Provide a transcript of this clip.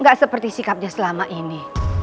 gak seperti sikapnya selama ini